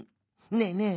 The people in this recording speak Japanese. ねえねえ